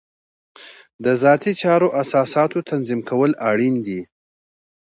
د ذاتي چارو د اساساتو تنظیم کول اړین دي.